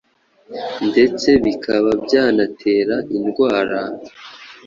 ndetse bikaba byanatera indwara,